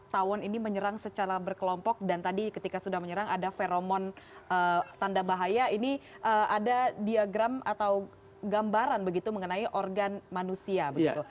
tawon ini menyerang secara berkelompok dan tadi ketika sudah menyerang ada feromon tanda bahaya ini ada diagram atau gambaran begitu mengenai organ manusia begitu